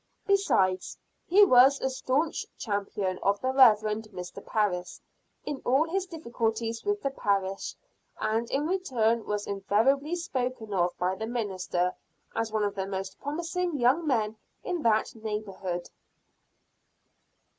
Besides, he was a staunch champion of the Reverend Mr. Parris in all his difficulties with the parish, and in return was invariably spoken of by the minister as one of the most promising young men in that neighborhood.